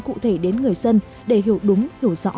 cụ thể đến người dân để hiểu đúng hiểu rõ